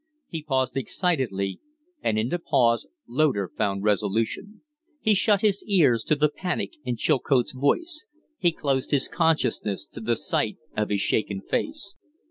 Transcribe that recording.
He paused excitedly, and in the pause Loder found resolution. He shut his ears to the panic in Chilcote's voice, he closed his consciousness to the sight of his shaken face.